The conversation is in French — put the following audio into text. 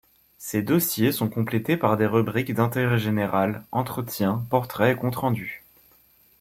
Ces dossiers sont complétés par des rubriques d’intérêt général, entretiens, portraits et comptes rendus.